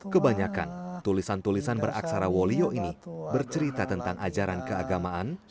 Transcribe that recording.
kebanyakan tulisan tulisan beraksara wolio ini bercerita tentang ajaran keagamaan